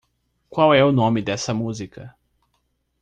Qual é nome dessa música?